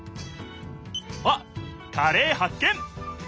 あっカレーはっ見！